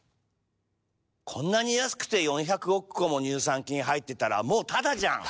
こんなに安くて４００億個も乳酸菌入ってたらもうタダじゃん！